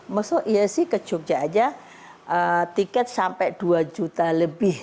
maksudnya iya sih ke jogja aja tiket sampai dua juta lebih